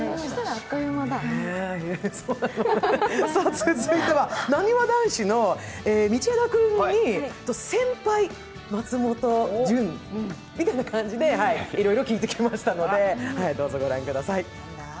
続いては、なにわ男子の道枝君に、先輩・松本潤みたいな感じでいろいろ聞いてきましたので、どうぞ御覧ください。